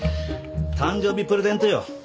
誕生日プレゼントよ。